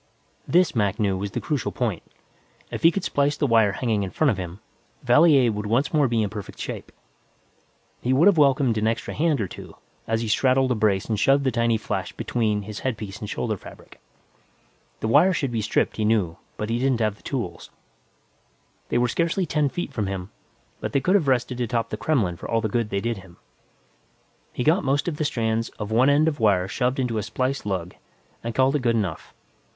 This, Mac knew, was the crucial point. If he could splice the wire hanging in front of him, Valier would once more be in perfect shape. He would have welcomed an extra hand or two, as he straddled a brace and shoved the tiny flash between his headpiece and shoulder fabric. The wire should be stripped, he knew, but he hadn't the tools. They were scarcely ten feet from him, but could have rested atop the Kremlin for all the good they did him. He got most of the strands of one end of wire shoved into a splice lug, and called it good enough.